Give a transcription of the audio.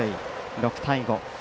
６対５。